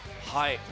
はい。